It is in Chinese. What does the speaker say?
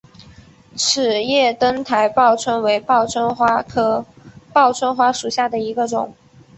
齿叶灯台报春为报春花科报春花属下的一个种。